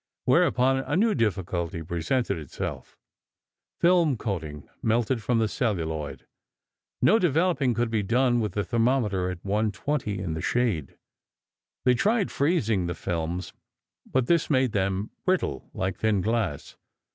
Whereupon a new difficulty presented itself: Film coating melted from the celluloid. No developing could be done with the thermometer at 120 in the shade. They tried freezing the films, but this made them brittle, like thin glass.